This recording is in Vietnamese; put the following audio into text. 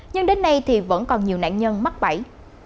nhưng đến nay thì vẫn còn nhiều nạn nhân mắc bẫy